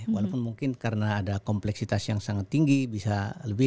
walaupun mungkin karena ada kompleksitas yang sangat tinggi bisa lebih